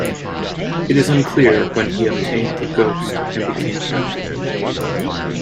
It is unclear when he obtained the "Ghost" and became captain.